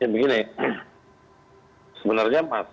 banyak sekali kritik yang muncul